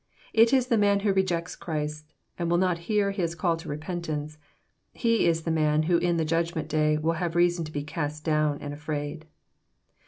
It is the man who rejects Christ, and will not hear His call to repentance, — he is the man who in the judgment day will have rea* t9on to be cast down and afraid.